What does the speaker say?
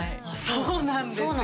そうなんですよ。